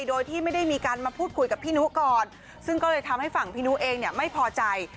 โดยที่ไม่ได้มีการมาพูดคุยกับพี่นุก่อนซึ่งก็เลยทำให้ฝั่งพี่นุเองเนี่ยไม่พอใจ